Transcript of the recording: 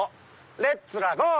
レッツラゴー！